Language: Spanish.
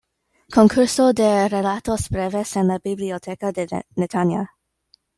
Concurso de Relatos Breves, en la biblioteca de Netanya.